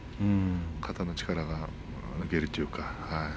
肩の力が抜けるというか。